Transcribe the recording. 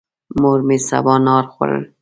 مور مې سبانار خوړل.